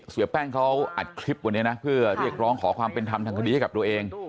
เสียแป้งเขาอัดคลิปวันนี้นะเพื่อเรียกร้องขอความเป็นธรรมทางคดีให้กับตัวเอง